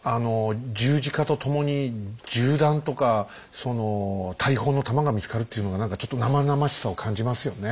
十字架とともに銃弾とかその大砲の弾が見つかるっていうのが何かちょっと生々しさを感じますよね。